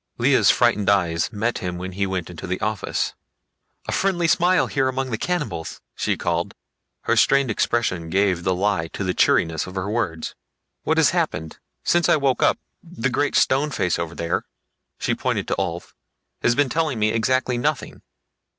Lea's frightened eyes met his when he went into the office. "A friendly smile here among the cannibals," she called. Her strained expression gave the lie to the cheeriness of her words. "What has happened? Since I woke up, the great stone face over there" she pointed to Ulv "has been telling me exactly nothing."